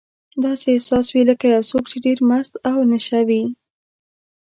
داسې احساس وي لکه یو څوک چې ډېر مست او نشه وي.